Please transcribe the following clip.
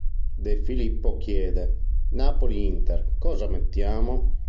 De Filippo chiede: "Napoli-Inter, cosa mettiamo?